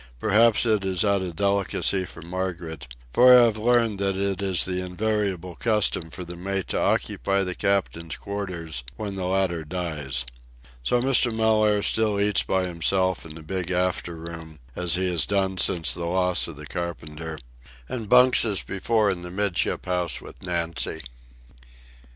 Perhaps it is out of delicacy for Margaret; for I have learned that it is the invariable custom for the mate to occupy the captain's quarters when the latter dies. So Mr. Mellaire still eats by himself in the big after room, as he has done since the loss of the carpenter, and bunks as before in the 'midship house with Nancy.